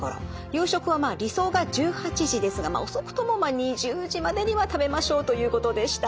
夕食はまあ理想が１８時ですが遅くとも２０時までには食べましょうということでした。